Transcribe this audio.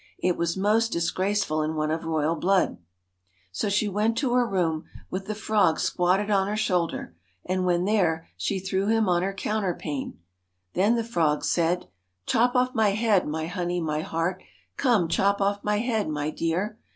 it was most disgraceful in one of PRINCE r oyal blood. So she went to her room, with the frog squatted on her shoulder, and when there, she threw him on her counterpane. Then the frog said 4 Chop off my head, my honey, my heart, Come, chop off my head, my dear.